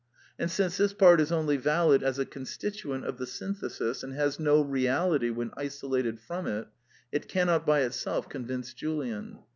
And since this part is only valid as a constituent of the synthesis, and has no reality when isolated from it, it cannot by itself convince Julian.